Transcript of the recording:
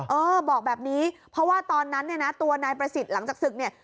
เออบอกแบบนี้เพราะว่าตอนนั้นเนี่ยนะตัวนายประสิทธิ์หลังจากศึกเนี่ย